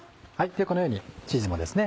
このようにチーズもですね